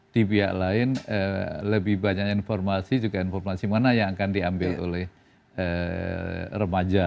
di pihak lain lebih banyak informasi juga informasi mana yang akan diambil oleh remaja